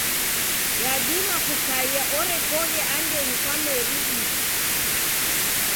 Yadima kukaia erekoghe andenyi kwa meri iw'i.